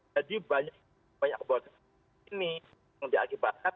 jadi banyak kebocoran ini yang diakibatkan